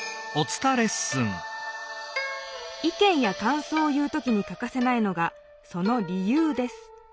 い見やかんそうを言う時にかかせないのがその理由です。